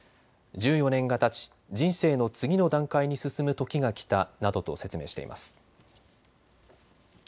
１４年がたち人生の次の段階に進むときが来たなどと説明しています。